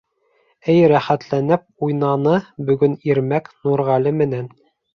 Эй рәхәтләнеп уйнаны бөгөн Ирмәк Нурғәле менән.